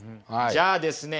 じゃあですね